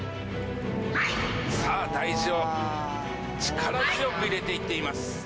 さぁ大字を力強く入れて行っています。